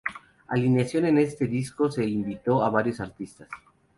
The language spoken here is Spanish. Alineación en este disco se invitó a varios artistas.